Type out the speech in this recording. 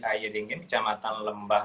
ayedingin kecamatan lembah